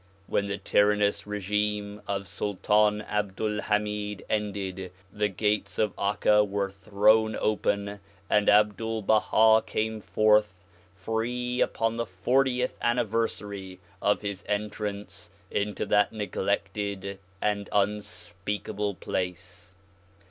When the tyrannous regime of Sultan Abdul Ilamid ended, the gates of Akka were thrown open and Abdul Baha came forth free upon the fortieth anniversary of his entrance into that neglected and unspeakable place.